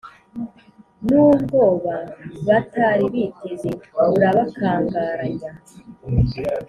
n’ubwoba batari biteze burabakangaranya.